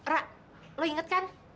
ra lu inget kan